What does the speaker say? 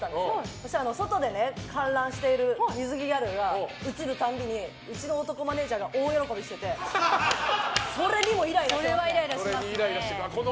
そうしたら外で観覧してる水着ギャルが映るたびにうちの男マネジャーが大喜びしててそれにもイライラしてました。